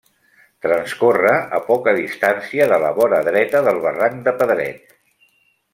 Transcorre a poca distància de la vora dreta del Barranc de Pedret.